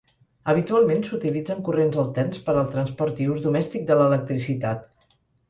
Habitualment, s'utilitzen corrents alterns per al transport i ús domèstic de l'electricitat.